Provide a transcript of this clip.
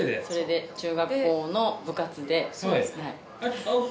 それで中学校の部活で。